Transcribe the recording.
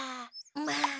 まあ。